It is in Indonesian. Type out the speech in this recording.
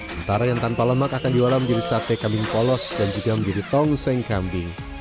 sementara yang tanpa lemak akan diolah menjadi sate kambing polos dan juga menjadi tongseng kambing